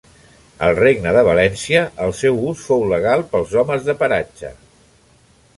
Al Regne de València el seu ús fou legal pels Homes de Paratge.